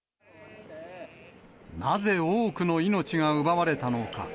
なぜ、多くの命が奪われたのか。